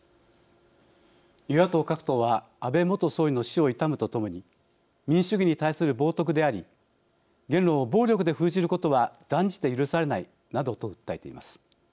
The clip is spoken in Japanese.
与野党各党は安倍元総理の死を悼むとともに民主主義に対する冒とくであり言論を暴力で封じることは断じて許されないなどと訴えています。